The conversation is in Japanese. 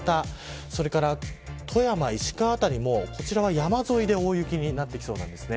それから、富山、石川辺りもこちらは、山沿いで大雪になってきそうなんですね。